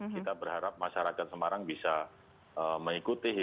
kita berharap masyarakat semarang bisa mengikuti